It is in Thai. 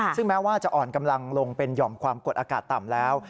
ซึ่งแม้ว่าจะอ่อนกำลังลงเป็นหย่อมความกดอากาศต่ำแล้ว